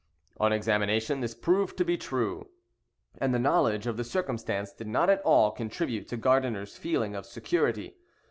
On examination this proved to be true, and the knowledge of the circumstance did not at all contribute to Gardiner's feeling of security.